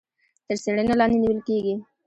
تر څيړنې لاندي نيول کېږي.